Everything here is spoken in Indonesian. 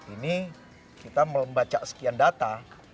ini kita membaca sekian data